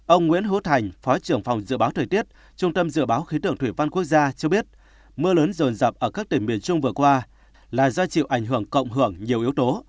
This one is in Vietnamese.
ông nguyễn hữu thành phó trưởng phòng dự báo thời tiết trung tâm dự báo khí tượng thủy văn quốc gia cho biết mưa lớn rồn rập ở các tỉnh miền trung vừa qua là do chịu ảnh hưởng cộng hưởng nhiều yếu tố